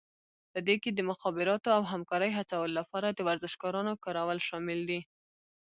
په دې کې د مخابراتو او همکارۍ هڅولو لپاره د ورزشکارانو کارول شامل دي